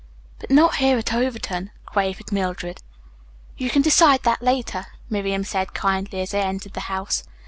"But not here at Overton," quavered Mildred. "You can decide that later," Miriam said kindly, as they entered the house.